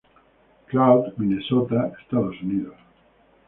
Cloud, Minnesota, Estados Unidos.